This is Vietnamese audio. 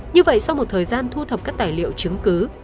như vậy sau một thời gian thu thập các tài liệu chứng cứ